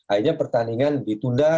akhirnya pertandingan ditunda